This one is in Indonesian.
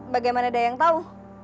bagaimana dayang tahu